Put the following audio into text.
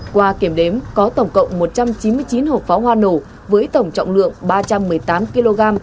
qua kiểm đếm có tổng cộng một trăm chín mươi chín hộp pháo hoa nổ với tổng trọng lượng ba trăm một mươi tám kg